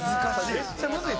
めっちゃむずい。